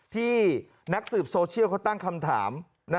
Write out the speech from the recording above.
ที่นักสืบโซเชียลเขาตั้งคำถาม